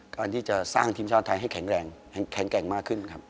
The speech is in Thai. ก่อนที่จะสร้างทีมชาติไทยให้แข็งแรงแข็งแกร่งมากขึ้นครับ